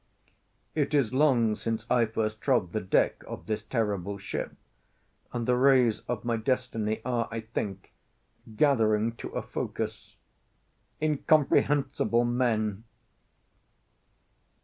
It is long since I first trod the deck of this terrible ship, and the rays of my destiny are, I think, gathering to a focus. Incomprehensible men!